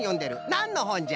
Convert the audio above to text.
なんのほんじゃ？